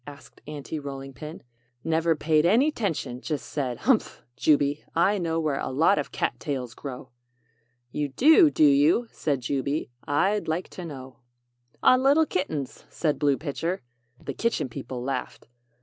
asked Aunty Rolling Pin. "Never paid any 'tention just said: 'Humph, Jubey, I know where a lot of cat tails grow!' "'You do, do you?' said Jubey. 'I'd like to know.' "'On little kittens!' said Blue Pitcher." The Kitchen People laughed.